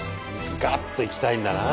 ガッといきたいんだな。